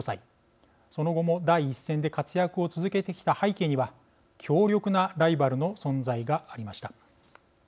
その後も第一線で活躍を続けてきた背景には強力なライバルの存在がありました。